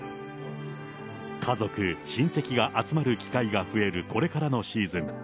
家族、親戚が集まる機会が増えるこれからのシーズン。